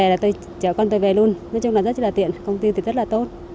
là tôi trở còn tôi về luôn nói chung là rất là tiện công ty thì rất là tốt